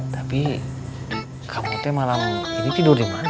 tapi kamu tuh malam ini tidur dimana